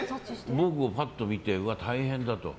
僕をパッと見てうわ、大変だと。